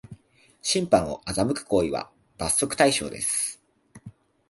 審判を欺く行為は罰則対象です